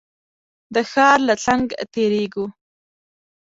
د ښار له څنګ تېرېږو.